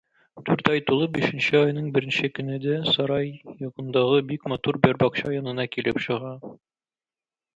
Дүрт ай тулып, бишенче айның беренче көнендә сарай янындагы бик матур бер бакча янына килеп чыга.